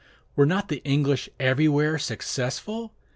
Were not the English everywhere successful?